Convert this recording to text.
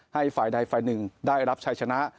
ให้ฝ่ายใดฝ่าย๑ได้รับชายชนะ